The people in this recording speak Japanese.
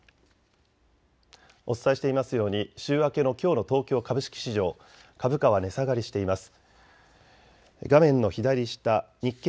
お伝えしていますように週明けのきょうの東京株式市場、株価は値下がりしています。